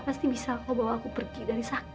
pasti bisa kau bawa aku pergi dari saka